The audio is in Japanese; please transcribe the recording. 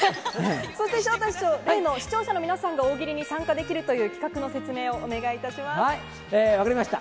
そして昇太師匠、例の視聴者の皆さんが大喜利に参加できるという企画の説明をお願分かりました。